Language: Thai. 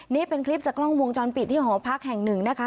นี่เป็นคลิปจากกล้องวงจรปิดที่หอพักแห่งหนึ่งนะคะ